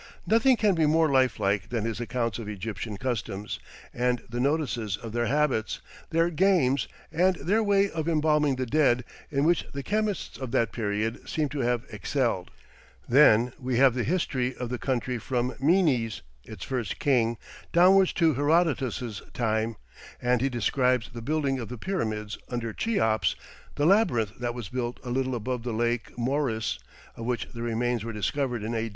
Nothing can be more life like than his accounts of Egyptian customs, and the notices of their habits, their games, and their way of embalming the dead, in which the chemists of that period seem to have excelled. Then we have the history of the country from Menes, its first king, downwards to Herodotus' time, and he describes the building of the Pyramids under Cheops, the Labyrinth that was built a little above the Lake Moeris (of which the remains were discovered in A.